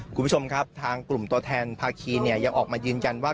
คุณผู้ชมครับทางกลุ่มตัวแทนภาคีเนี่ยยังออกมายืนยันว่า